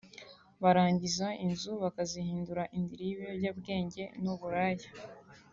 barangiza inzu bakazihindura indiri y’ibiyobyabwege n’uburaya